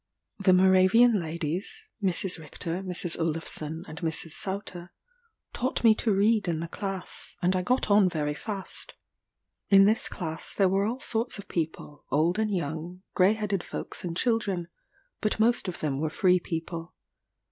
The Moravian ladies (Mrs. Richter, Mrs. Olufsen, and Mrs. Sauter) taught me to read in the class; and I got on very fast. In this class there were all sorts of people, old and young, grey headed folks and children; but most of them were free people.